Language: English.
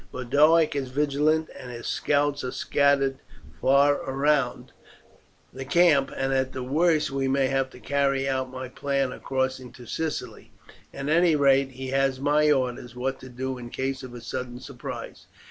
Boduoc is vigilant and his scouts are scattered far round the camp, and at the worst we may have to carry out my plan of crossing to Sicily. At any rate he has my orders what to do in case of a sudden surprise.